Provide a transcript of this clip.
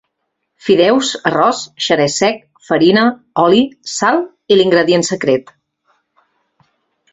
Fideus, arròs, xerès sec, farina, oli, sal i l'ingredient secret.